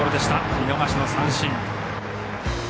見逃しの三振。